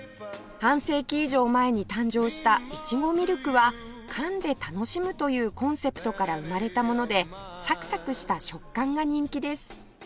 半世紀以上前に誕生したいちごみるくはかんで楽しむというコンセプトから生まれたものでサクサクした食感が人気です